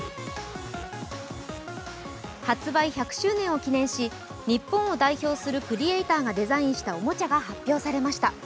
発売１００周年を記念し、日本を代表するクリエイターがデザインしたおもちゃが発表されました。